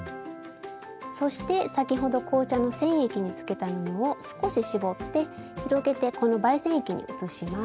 そして先ほど紅茶の染液につけた布を少し絞って広げてこの媒染液に移します。